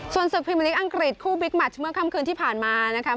ส่วนศึกพิมพลิกอังกฤษคู่บิ๊กแมชเมื่อค่ำคืนที่ผ่านมานะคะ